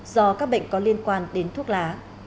do các bệnh có liên quan đến thuốc lá